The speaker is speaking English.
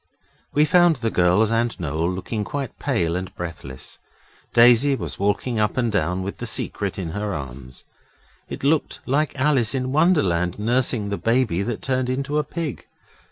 We found the girls and Noel looking quite pale and breathless. Daisy was walking up and down with the Secret in her arms. It looked like Alice in Wonderland nursing the baby that turned into a pig.